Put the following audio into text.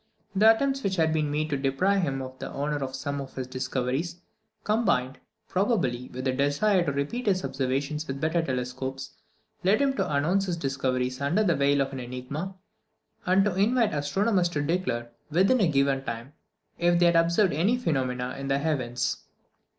The attempts which had been made to deprive him of the honour of some of his discoveries, combined, probably, with a desire to repeat his observations with better telescopes, led him to announce his discoveries under the veil of an enigma, and to invite astronomers to declare, within a given time, if they had observed any new phenomena in the heavens.